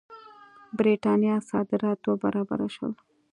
برېټانیا صادرات دوه برابره شول.